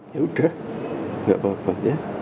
ya udah gak apa apa ya